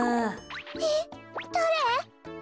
えっだれ？